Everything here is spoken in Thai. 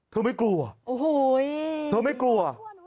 เธอไม่กลัว